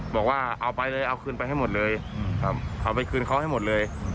บอกว่าเอาไปเลยเอาคืนไปให้หมดเลยเอาไปคืนเขาให้หมดเลย